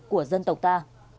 của dân tộc ta